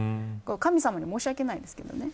神様に申し訳ないですけどね。